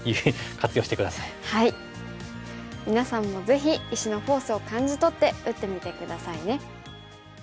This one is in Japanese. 皆さんもぜひ石のフォースを感じとって打ってみて下さいね。